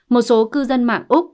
một số cư dân mạng úc